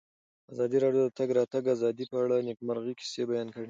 ازادي راډیو د د تګ راتګ ازادي په اړه د نېکمرغۍ کیسې بیان کړې.